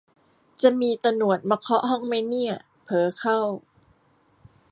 จะมีตะหนวดมาเคาะห้องมั้ยเนี่ย เผลอเข้า